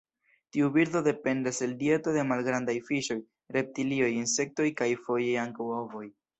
Tiu birdo dependas el dieto de malgrandaj fiŝoj, reptilioj, insektoj kaj foje ankaŭ ovoj.